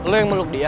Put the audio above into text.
lo yang meluk dia